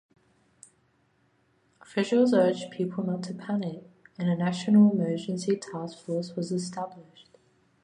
Officials urged people not to panic, and a national emergency task force was established.